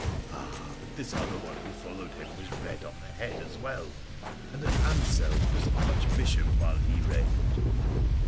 ' Ah ! but this other one who followed him was red on the head as well, and an Anselrn was Archbishop while he reigned.'